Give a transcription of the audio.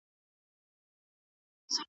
او زیاتره ښه لګیږي .